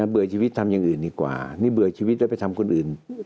เบื่อชีวิตทำอย่างอื่นดีกว่านี่เบื่อชีวิตแล้วไปทำคนอื่น